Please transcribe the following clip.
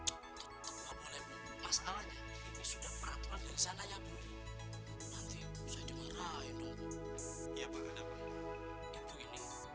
otak dibalik semua masalah yang mengepat fatimah